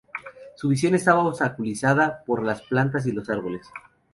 Su visión estaba obstaculizada por las plantas y los árboles.